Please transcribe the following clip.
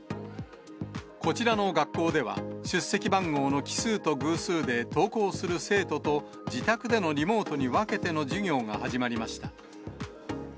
こちらの学校では、出席番号の奇数と偶数で登校する生徒と、自宅でのリモートに分けての授業が始まりました。